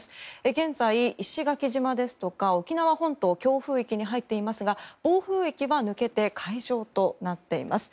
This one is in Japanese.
現在、石垣島ですとか沖縄本島が強風域に入っていますが暴風域は抜けて海上となっています。